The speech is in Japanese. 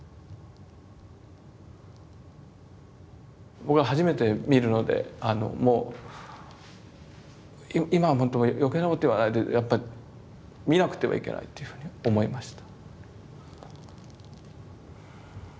僕は初めて見るのでもう今はほんと余計なこと言わないでやっぱり見なくてはいけないっていうふうに思いました。